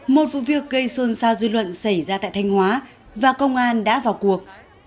một vụ việc gây xôn xao dư luận xảy ra tại thanh hóa và công an đã vào cuộc